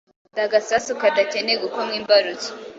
Ndagasasu kadakeneye gukomwa imbarutso